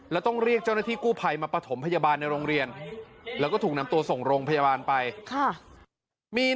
แล้วต้องเรียกเจ้าหน้าที่กู้ภัยมาประถมพยาบาลในโรงเรียนแล้วก็ถูกนำตัวส่งโรงพยาบาลไปค่ะมี